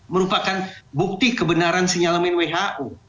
merupakan bukti kebenaran sinyalemen who